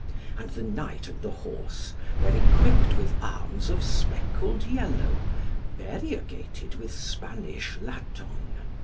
And the knight and horse were equipped with arms of speckled yellow, variegated with Spanish laton.